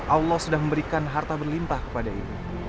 allah sudah memberikan harta berlimpah kepada ibu